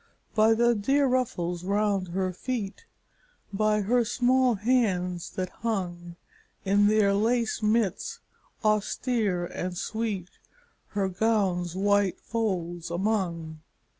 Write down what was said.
By the dear ruffles round her feet, By her small hands that hung In their lace mitts, austere and sweet, Her gown's white folds among.